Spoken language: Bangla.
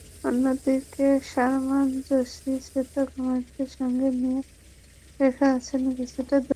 অন্যদিকে শারমান জোশি, শ্বেতা কুমারদের সঙ্গে নিয়ে রেখা আছেন কিছুটা দুর্বল অবস্থানে।